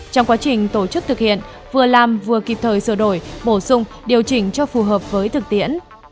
trong quá trình tổ chức thực hiện vừa làm vừa kịp thời sửa đổi bổ sung điều chỉnh cho phù hợp với thực tiễn